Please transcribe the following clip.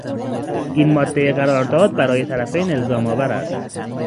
این مادهی قرارداد برای طرفین الزامآور است.